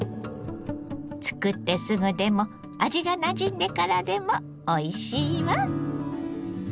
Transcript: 作ってすぐでも味がなじんでからでもおいしいわ。